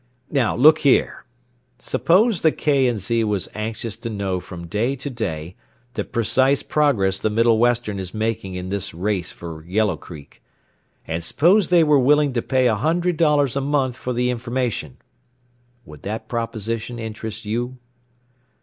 Now look here: Suppose the K. & Z. was anxious to know from day to day the precise progress the Middle Western is making in this race for Yellow Creek, and suppose they were willing to pay a hundred dollars a month for the information would that proposition interest you?"